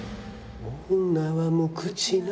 「女は無口な」